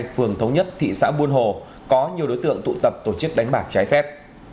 phường thống nhất thị xã buôn hồ có nhiều đối tượng tụ tập tổ chức đánh bạc trái phép